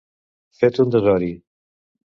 Fet un desori.